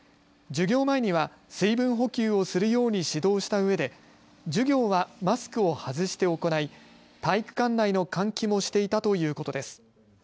授業前には水分補給をするように指導したうえで授業はマスクを外して行い体育館内の換気もしていたということです。